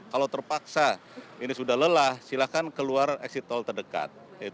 kalau terpaksa ini sudah lelah silahkan keluar exit tol terdekat